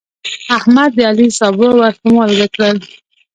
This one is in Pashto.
احمد د علي سابه ور په مالګه کړل.